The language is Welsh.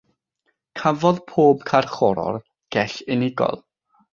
Cafodd pob carcharor gell unigol.